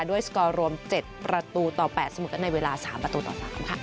ด้วยสกอร์รวม๗ประตูต่อ๘ในเวลา๓ประตูต่อ๓ค่ะ